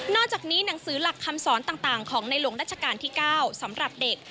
อกจากนี้หนังสือหลักคำสอนต่างของในหลวงรัชกาลที่๙สำหรับเด็ก